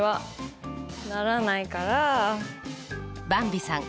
ばんびさん